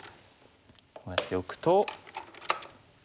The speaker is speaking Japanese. こうやっておくと。